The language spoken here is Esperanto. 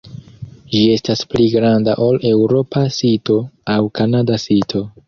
Ĝi estas pli granda ol eŭropa sito aŭ kanada sito.